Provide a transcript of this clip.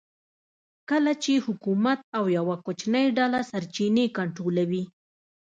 کله چې حکومت او یوه کوچنۍ ډله سرچینې کنټرولوي